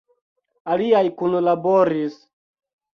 Aliaj kunlaboris.